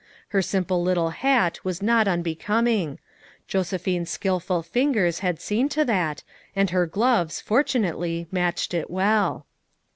Her simple little hat was not unbecoming; Jose phine's skillful fingers had seen to that, and her gloves, fortunately, matched it well.